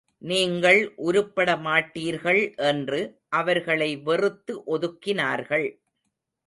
நீங்கள் உருப்பட மாட்டீர்கள் என்று அவர்களை வெறுத்து ஒதுக்கினார்கள்.